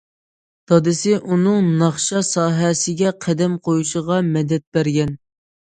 دادىسى ئۇنىڭ ناخشا ساھەسىگە قەدەم قويۇشىغا مەدەت بەرگەن.